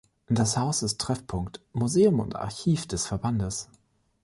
Das Haus ist Treffpunkt, Museum und Archiv des Verbandes.